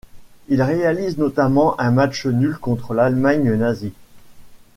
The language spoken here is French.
Il réalise notamment un match nul contre l'Allemagne nazie.